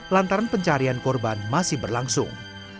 lantaran pencarian korban masih berlangsung